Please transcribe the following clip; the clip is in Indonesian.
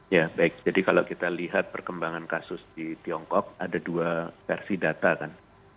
ya baik jadi kalau kita lihat perkembangan kasus di tiongkok ada dua versi data kan